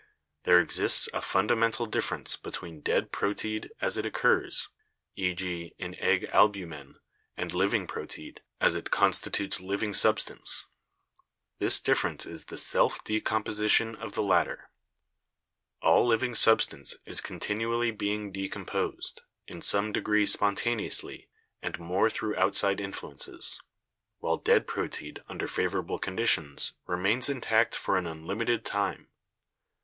There exists a funda mental difference between dead proteid, as it occurs — e.g., in egg albumen, and living proteid, as it constitutes living substance; this difference is the self decomposition of the latter. All living substance is continually being decom posed, in some degree spontaneously and more through outside influences, while dead proteid under favorable con ditions remains intact for an unlimited time.